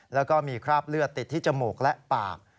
แล้วก็มีคราบเลือดติดที่จมูกและปาก